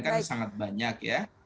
kan sangat banyak ya